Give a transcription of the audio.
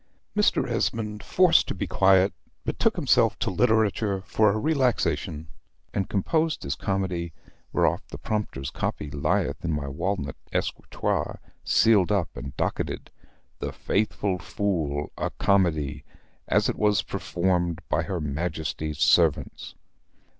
Mr. Esmond, forced to be quiet, betook himself to literature for a relaxation, and composed his comedy, whereof the prompter's copy lieth in my walnut escritoire, sealed up and docketed, "The Faithful Fool, a Comedy, as it was performed by her Majesty's Servants."